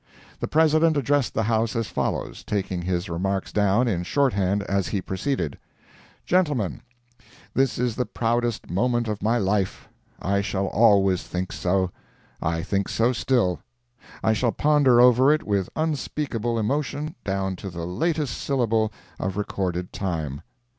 The President addressed the house as follows, taking his remarks down in short hand as he proceeded. Gentlemen—This is the proudest moment of my life. I shall always think so. I think so still. I shall ponder over it with unspeakable emotion down to the latest syllable of recorded time.